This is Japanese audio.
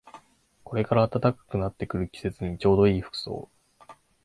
これから暖かくなってくる季節にちょうどいい服装